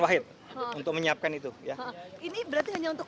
dua duanya ya pak